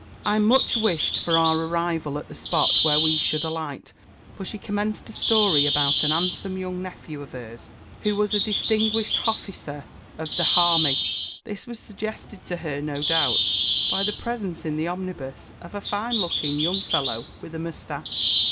I much wished for our arrival at the spot where we should alight, for she commenced a story about an 'andsome young nephew of hers, who was a distinguished _h_officer of the _h_army. This was suggested to her, no doubt, by the presence in the omnibus of a fine looking young fellow with a moustache.